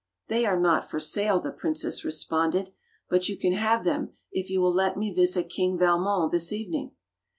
"They are not for sale," the princess re sponded, "but you can have them if you will let me visit King Valmon this evening."